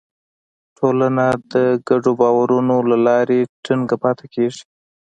ټولنه د ګډو باورونو له لارې ټینګه پاتې کېږي.